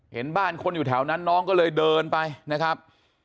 เห็นบ้านคนอยู่แถวนั้นน้องก็เลยเดินไปนะครับ